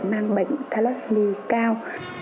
mang bệnh thalassemia cao